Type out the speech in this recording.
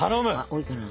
多いかな。